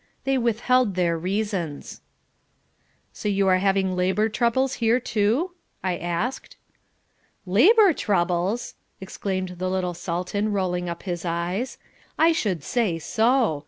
They withheld their reasons." "So you are having labour troubles here too?" I asked. "Labour troubles!" exclaimed the little Sultan rolling up his eyes. "I should say so.